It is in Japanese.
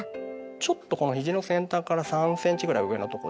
ちょっとこの肘の先端から３ｃｍぐらい上のとこで。